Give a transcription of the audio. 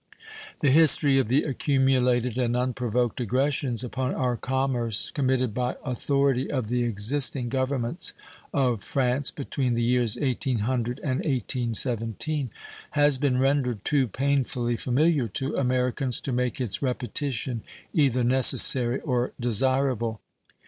The history of the accumulated and unprovoked aggressions upon our commerce committed by authority of the existing Governments of France between the years 1800 and 1817 has been rendered too painfully familiar to Americans to make its repetition either necessary or desirable.